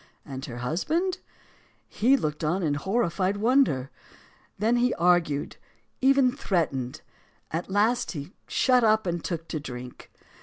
And her husband? He looked on in horrified wonder. Then he argued and even threatened. At last he shut up and took to drink.